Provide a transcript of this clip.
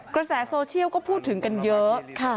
กระแสโซเชียลก็พูดถึงกันเยอะ